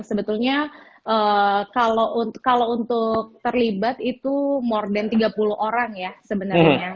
sebetulnya kalau untuk terlibat itu more den tiga puluh orang ya sebenarnya